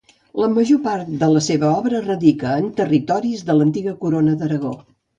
La major part de la seva obra radica en territoris de l'antiga Corona d'Aragó.